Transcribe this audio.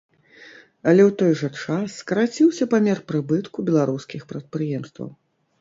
Але ў той жа час скараціўся памер прыбытку беларускіх прадпрыемстваў.